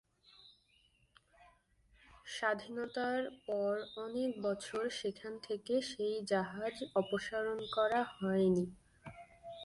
স্বাধীনতার পর অনেক বছর সেখান থেকে সেই জাহাজ অপসারণ করা হয়নি।